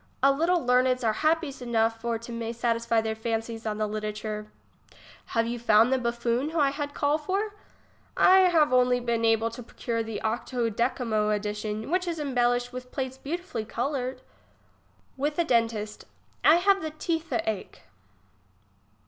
A little leameds are happies enough for to may to satisfy their fancies on the literature. Have you found the Buffon who I had call for ? I have only been able to procure the octo decimo edition, which is embellished with plates beautifully coloured. IVith a dentist. I have the teetht ache.